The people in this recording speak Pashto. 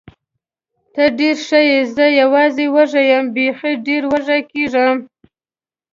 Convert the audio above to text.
ته ډېره ښه یې، زه یوازې وږې یم، بېخي ډېره وږې کېږم.